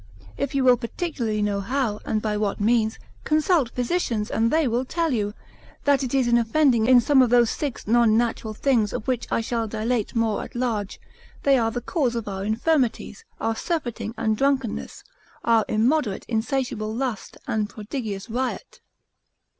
If you will particularly know how, and by what means, consult physicians, and they will tell you, that it is in offending in some of those six non natural things, of which I shall dilate more at large; they are the causes of our infirmities, our surfeiting, and drunkenness, our immoderate insatiable lust, and prodigious riot.